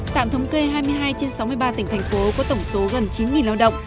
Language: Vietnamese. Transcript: tạm thống kê hai mươi hai trên sáu mươi ba tỉnh thành phố có tổng số gần chín lao động